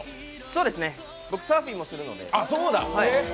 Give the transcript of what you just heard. そうですね、僕、サーフィンもするので。